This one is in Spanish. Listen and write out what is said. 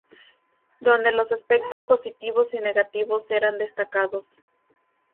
donde los aspectos positivos y negativos eran destacados